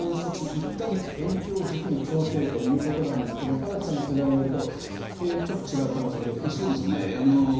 １か月延長を軸に調整ということなんですが田崎さんの取材によるとちょっと違う可能性も出てきていると。